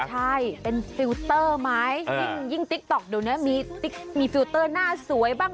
ใช่เป็นฟิลเตอร์ไหมยิ่งติ๊กต๊อกเดี๋ยวนี้มีติ๊กมีฟิลเตอร์หน้าสวยบ้าง